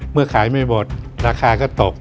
เมื่อขายไม่หมดราคาก็ตก